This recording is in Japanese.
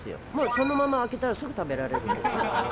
そのまま開けたらすぐ食べられる。